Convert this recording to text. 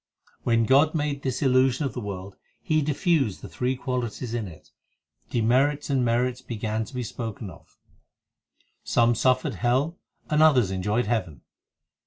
7 When God made this illusion of the world, He diffused the three qualities in it, Demerits and merits began to be spoken of ; Some suffered hell and others enjoyed heaven.